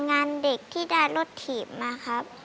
งานเด็กที่ได้รถถีบมาครับ